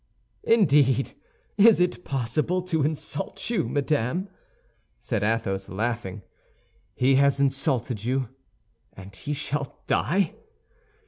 "Indeed! Is it possible to insult you, madame?" said Athos, laughing; "he has insulted you, and he shall die!"